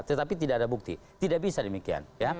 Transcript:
tetapi tidak ada bukti tidak bisa demikian